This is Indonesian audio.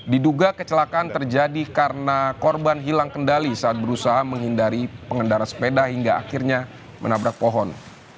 diduga kecelakaan terjadi karena korban hilang kendali saat berusaha menghindari pengendara sepeda hingga akhirnya menabrak pohon